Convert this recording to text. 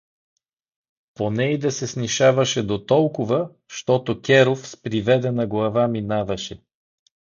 По нейде се снишаваше дотолкова, щото Керов с приведена глава минаваше.